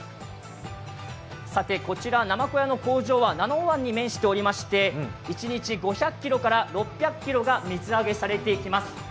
さて、こちらなまこやの工場は七尾湾に面しておりまして、一日５００ｋｇから６００ｋｇが水揚げされていきます。